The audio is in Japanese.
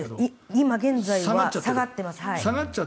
今現在は下がってます。